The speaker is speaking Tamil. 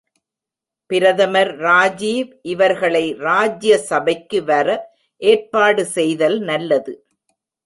பிரதமர் ராஜிவ் இவர்களை ராஜ்ய சபைக்கு வர ஏற்பாடு செய்தல் நல்லது.